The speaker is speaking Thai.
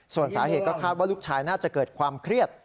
ส่วนสาเหตุก็คาดว่าลูกชายน่าจะเกิดความเครียด